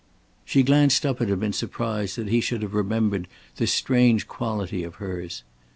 She glanced up at him in surprise that he should have remembered this strange quality of hers.